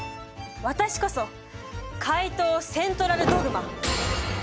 私こそ怪盗セントラルドグマ！